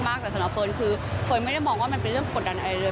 แต่สำหรับเฟิร์นคือเฟิร์นไม่ได้มองว่ามันเป็นเรื่องกดดันอะไรเลย